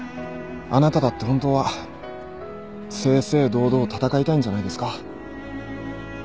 あなただって本当は正々堂々戦いたいんじゃないですか？